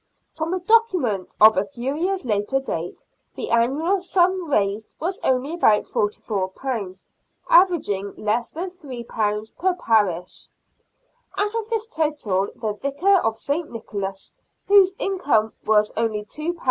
From a document of a few years later date the annual sum raised was only about £44, averaging less than £3 per parish. Out of this total the vicar of St. Nicholas, whose income was only £2 13s.